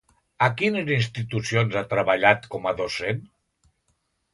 A quines institucions ha treballat com a docent?